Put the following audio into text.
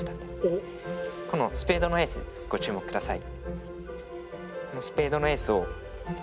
このスペードのエースにご注目下さい。